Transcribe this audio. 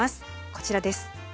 こちらです。